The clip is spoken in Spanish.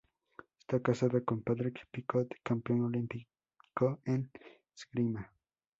Está casada con Patrick Picot, campeón olímpico en esgrima.